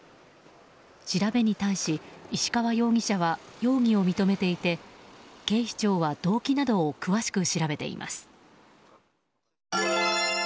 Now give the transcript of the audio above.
調べに対し、石川容疑者は容疑を認めていて警視庁は動機などを詳しく調べています。